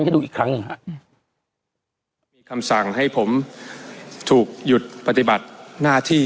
ให้ดูอีกครั้งหนึ่งฮะอืมมีคำสั่งให้ผมถูกหยุดปฏิบัติหน้าที่